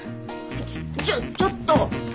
ちょちょっと。